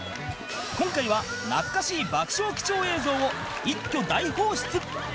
今回は懐かしい爆笑貴重映像を一挙大放出